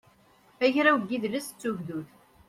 agraw i yidles d tugdut